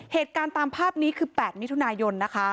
เหตุการณ์ตามภาพนี้คือ๘นิทุนายน